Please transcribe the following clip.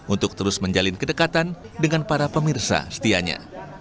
untuk terus menjalin kedekatan dengan para pemirsa setianya